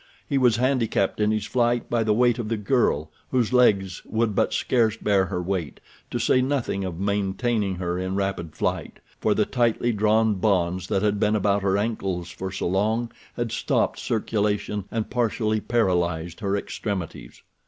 He was handicapped in his flight by the weight of the girl whose legs would but scarce bear her weight, to say nothing of maintaining her in rapid flight, for the tightly drawn bonds that had been about her ankles for so long had stopped circulation and partially paralyzed her extremities.